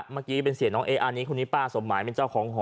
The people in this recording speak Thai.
เมื่อกี้เป็นเสียน้องเออันนี้คนนี้ป้าสมหมายเป็นเจ้าของหอ